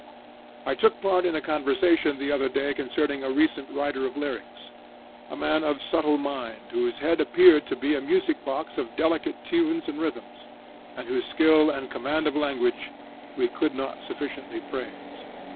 I took part in a conversation the other day concerning a recent writer of lyrics, a man of subtle mind, whose head appeared to be a music box of delicate tunes and rhythms, and whose skill and command of language, we could not sufficiently praise.